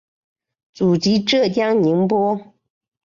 祖籍浙江宁波。